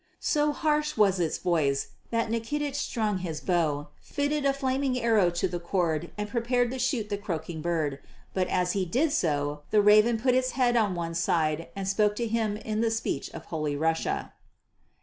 So harsh was its voice that Nikitich strung his bow, fitted a flaming arrow to the cord and prepared to shoot the croaking bird. But as he did so the raven put its head on one side and spoke to him in the speech of Holy Russia.